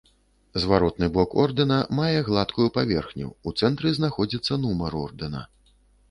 Зваротны бок ордэна мае гладкую паверхню, у цэнтры знаходзіцца нумар ордэна.